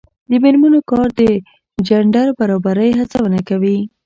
د میرمنو کار د جنډر برابرۍ هڅونه کوي.